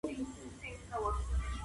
هر سړی یې پوره من دی نیم من نسته پښتنو کي